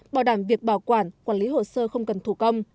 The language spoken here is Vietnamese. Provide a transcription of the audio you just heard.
bảo đảm việc bảo quản quản lý hồ sơ không cần thủ công